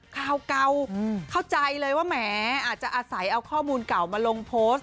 ข่าวเก่าเข้าใจเลยว่าแหมอาจจะอาศัยเอาข้อมูลเก่ามาลงโพสต์